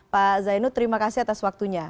pak zainud terima kasih atas waktunya